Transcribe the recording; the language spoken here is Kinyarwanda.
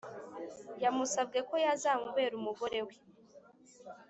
yamusabwe ko yazamubera umugore we